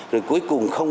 rồi cuối cùng không ai